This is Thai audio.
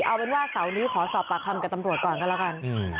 เอาเป็นว่าเสาร์นี้ขอสอบปากคำกับตำรวจก่อนก็แล้วกัน